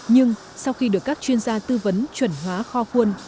nhưng sau khi được các chuyên gia tư vấn chuẩn hóa kho khuôn